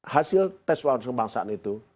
hasil tes wawasan kebangsaan itu